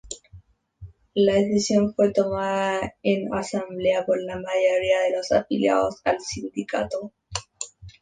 La decisión fue tomada en asamblea por la mayoría de los afiliados al sindicato.